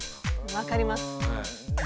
分かります。